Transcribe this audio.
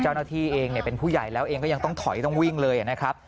เจ้าหน้าที่เองเป็นผู้ใหญ่แล้วเองก็ยังต้องถอยต้องวิ่งเลยนะครับ